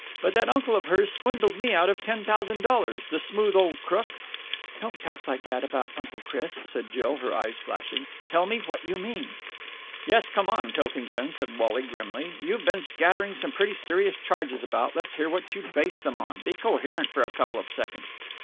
But that uncle of hers swindled me out of ten thousand dollars! The smooth old crook!" "Don't talk like that about Uncle Chris!" said Jill, her eyes flashing. "Tell me what you mean." "Yes, come on, Pilkington," said Wally grimly. "You've been scattering some pretty serious charges about. Let's hear what you base them on. Be coherent for a couple of seconds." Mr.